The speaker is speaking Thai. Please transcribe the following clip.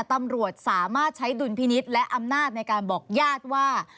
ตำรวจสามารถใช้ดุลพินิษฐ์และอำนาจในการบอกญาติว่า